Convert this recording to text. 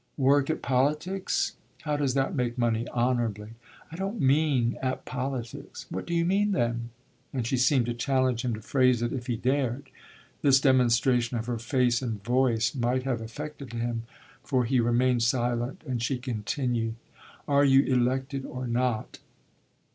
"Work at politics? How does that make money, honourably?" "I don't mean at politics." "What do you mean then?" and she seemed to challenge him to phrase it if he dared. This demonstration of her face and voice might have affected him, for he remained silent and she continued: "Are you elected or not?"